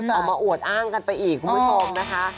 เอามาอวดอ้างกันไปอีกคุณผู้ชมนะคะ